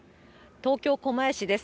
東京・狛江市です。